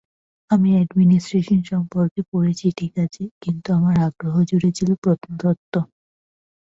আমি অ্যাডমিনিস্ট্রেশন সম্পর্কে পড়েছি ঠিক আছে, কিন্তু আমার আগ্রহজুড়ে ছিল প্রত্নতত্ত্ব।